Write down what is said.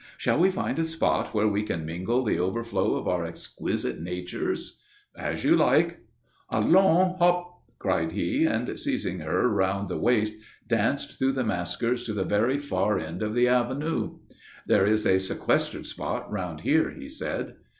"Shall we find a spot where we can mingle the overflow of our exquisite natures?" "As you like." "Allons! Hop!" cried he, and seizing her round the waist danced through the masquers to the very far end of the Avenue. "There is a sequestered spot round here," he said.